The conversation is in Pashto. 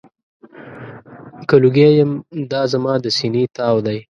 که لوګی یم، دا زما د سینې تاو دی.